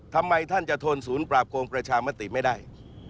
ทำไมท่านจะทนศูนย์ปราบโกงประชามติไม่ได้